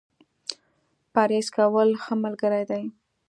پرهېز کول ، ښه ملګری دی.